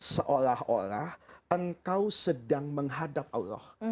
seolah olah engkau sedang menghadap allah